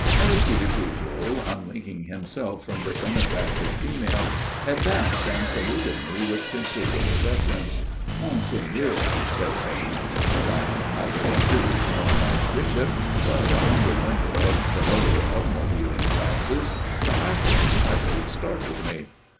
Aristide Pujol, unlinking himself from this unattractive female, advanced and saluted me with considerable deference. "Monseigneur " said he. As I am neither a duke nor an archbishop, but a humble member of the lower automobiling classes, the high flown title startled me.